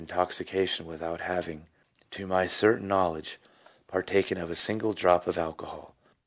257 intoxication without having, to my certain know ledge, partaken of a single drop of alcohol."